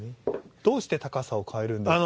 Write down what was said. どうして高さを変えるんですか？